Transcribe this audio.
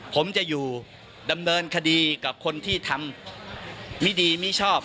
ผมจะอยู่ดำเนินคดีกับคนที่ทำมิดีมิชอบ